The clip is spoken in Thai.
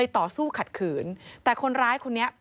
ต่อสู้ขัดขืนแต่คนร้ายคนนี้